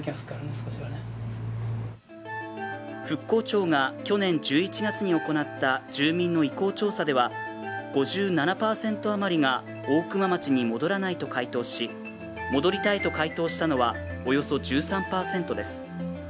復興庁が去年１１月に行った住民の意向調査では５７％あまりが大熊町に戻らないと回答し戻りたいと回答したのはおよそ１３％です。